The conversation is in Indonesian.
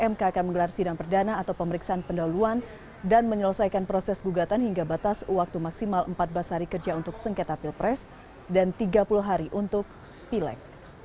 mk akan menggelar sidang perdana atau pemeriksaan pendahuluan dan menyelesaikan proses gugatan hingga batas waktu maksimal empat belas hari kerja untuk sengketa pilpres dan tiga puluh hari untuk pileg